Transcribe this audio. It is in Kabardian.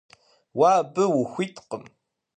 Уэ абы ухуиткъым.